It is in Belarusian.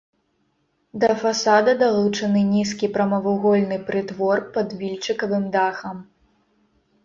Да фасада далучаны нізкі прамавугольны прытвор пад вільчыкавым дахам.